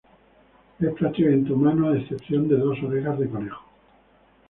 Es prácticamente humano a excepción de dos orejas de conejo.